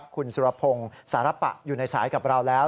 คุณสุรพงศ์สารปะอยู่ในสายกับเราแล้ว